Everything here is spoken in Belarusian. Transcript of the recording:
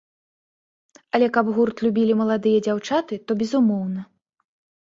Але каб гурт любілі маладыя дзяўчаты, то, безумоўна.